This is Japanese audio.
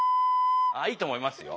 いいと思いますよ。